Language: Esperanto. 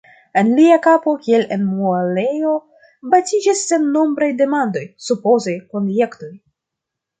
En lia kapo kiel en muelejo batiĝis sennombraj demandoj, supozoj, konjektoj.